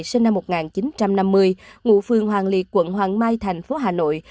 sinh năm một nghìn chín trăm năm mươi ngụ phương hoàng lị quận hoàng mai thành phố hà nội